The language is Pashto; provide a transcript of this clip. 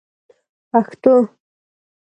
پښتو